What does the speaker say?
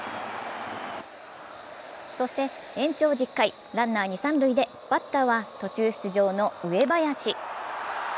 そして延長１０回、ランナー二・三塁でバッターは途中出場の上林。